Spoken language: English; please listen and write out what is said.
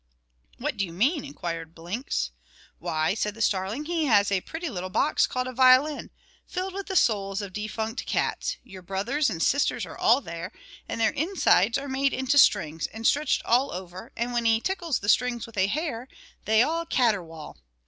"What do you mean?" inquired Blinks. "Why," said the starling, "he has a pretty little box called a violin, filled with the souls of defunct cats, your brothers and sisters are all there, and their insides are made into strings, and stretched all over; and when he tickles the strings with a hair, they all cauterwaul.